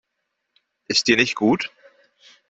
Ist dir nicht gut?